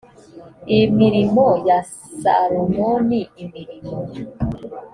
imirimo ya salomoni imirimo